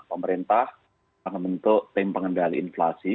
pemerintah akan membentuk tim pengendali inflasi